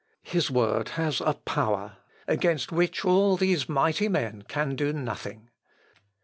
His word has a power against which all these mighty men can do nothing.